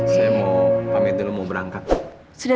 ya ya allah